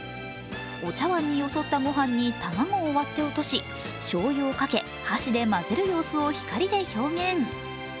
お茶わんによそったご飯に卵を割ってのせ、しょうゆを落とし箸で混ぜる様子を光で表現。